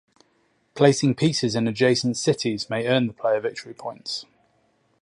Placing pieces in adjacent cities may earn the player victory points.